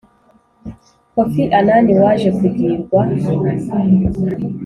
kofi annan, waje kugirwa